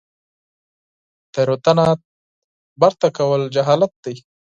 تیروتنه تکرارول جهالت دی